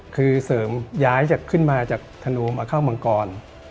คือเสริมย้ายจากขึ้นมาจากธนูมาเข้ามังกร